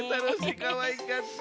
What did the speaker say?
かわいかった。